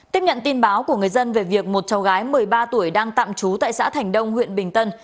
tiếp nhận tin báo của người dân về việc một cháu gái một mươi ba tuổi đang tạm trú tại xã thành đông huyện bình tân